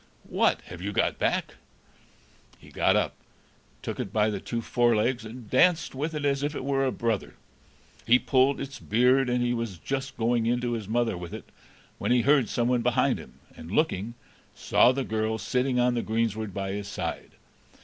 "What! have you got back?" He got up, took it by the two forelegs, and danced with it as if it were a brother; he pulled its beard, and he was just going in to his mother with it, when he heard someone behind him, and, looking, saw the girl sitting on the greensward by his side.